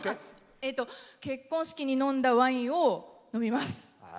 えっと、結婚式に飲んだワインを飲みます。